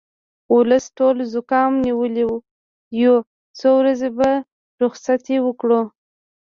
ولس ټول زوکام نیولی یو څو ورځې به رخصتي وکړو